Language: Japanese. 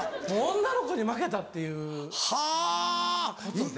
女の子に負けた！っていうことで。